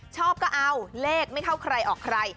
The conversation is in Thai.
ชอบก็เอาเลขไม่เท่าใครออกใคร